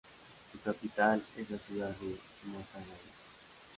Su capital es la ciudad de Mostaganem.